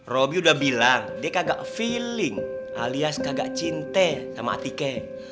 roby udah bilang dia kagak feeling alias kagak cinta sama atike